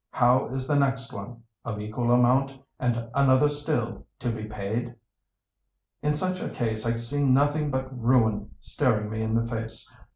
How is the next one—of equal amount, and another still, to be paid? In such a case I see nothing but ruin staring me in the face.